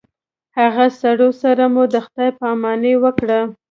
هغه سړو سره مو د خداے په اماني وکړه